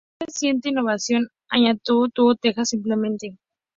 Es la más reciente innovación; antaño tuvo tejas simplemente.